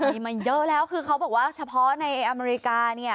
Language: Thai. มีมาเยอะแล้วคือเขาบอกว่าเฉพาะในอเมริกาเนี่ย